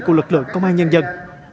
của lực lượng công an nhân dân